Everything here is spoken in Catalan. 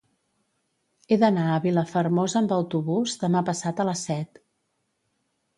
He d'anar a Vilafermosa amb autobús demà passat a les set.